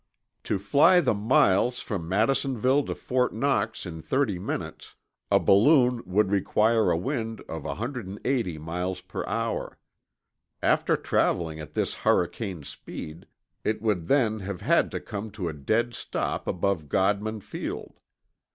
To fly the go miles from Madisonville to Fort Knox in 30 minutes, a balloon would require a wind of 180 m.p.h. After traveling at this hurricane speed, it would then have had to come to a dead stop above Godman Field.